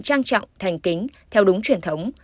trang trọng thành kính theo đúng truyền thống